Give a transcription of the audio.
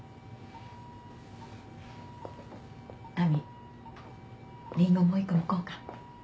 亜美リンゴもう１個むこうか？